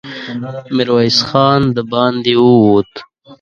ميرويس خان د باندې ووت.